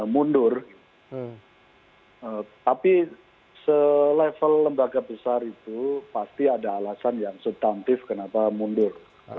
mundur tapi selevel lembaga besar itu pasti ada alasan yang subtantif kenapa mundur